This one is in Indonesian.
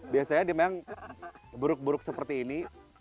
biasanya dia memang beruk beruk seperti ini